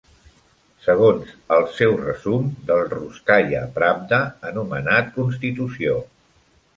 Segons els seu resum del "Russkaya Pravda" anomenat "Constitució.